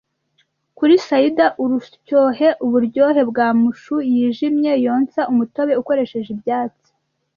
Kuri cider-urusyohe uburyohe bwa mashu yijimye, yonsa umutobe ukoresheje ibyatsi,